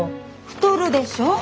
太るでしょ？